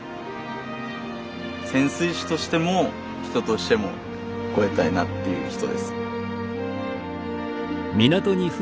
潜水士としても人としても超えたいなっていう人です。